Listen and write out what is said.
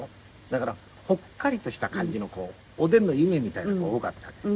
だからほっかりとした感じの子おでんの湯気みたいな子が多かったわけ。